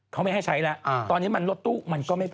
เขาไม่ให้ใช้แล้วตอนนี้มันรถตู้มันก็ไม่พอ